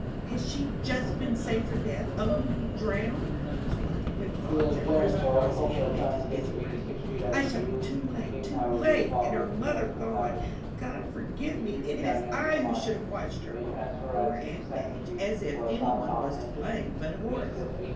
"Has she just been saved from death only to be drowned?" was one of the quick thoughts that rushed across aunt Madge's dizzy brain. "I shall be too late! too late! And her mother gone! God forgive me! It is I who should have watched her!" Poor aunt Madge! as if any one was to blame but Horace.